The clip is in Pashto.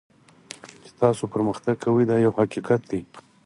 چې تاسو پرمختګ کوئ دا یو حقیقت دی.